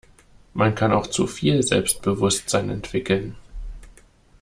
Man kann auch zu viel Selbstbewusstsein entwickeln.